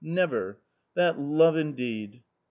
never ! That — love indeed